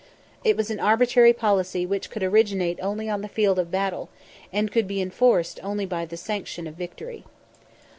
It was an arbitrary policy which could originate only on the field of battle, and could be enforced only by the sanction of victory.